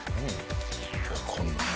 わかんない。